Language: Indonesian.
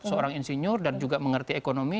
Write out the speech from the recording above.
seorang insinyur dan juga mengerti ekonomi